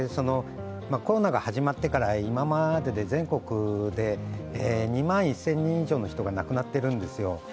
コロナが始まってから今までで全国で２万１０００人以上の人が亡くなっているんです。